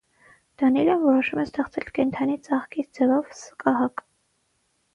Դանիլան որոշում է ստեղծել կենդանի ծաղկի ձևով սկահակ։